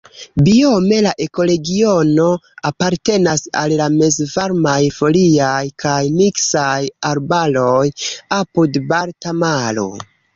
Biome la ekoregiono apartenas al mezvarmaj foliaj kaj miksaj arbaroj apud Balta Maro.